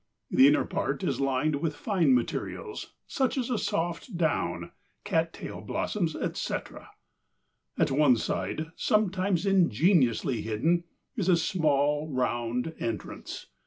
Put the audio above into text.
The inner part is lined with fine materials, such as soft down, cat tail blossoms, etc. At one side, sometimes ingeniously hidden, is a small round entrance.